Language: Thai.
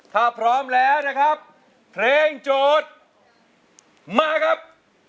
ถ้าพร้อมแล้วนะครับเพลงโจทย์มาครับ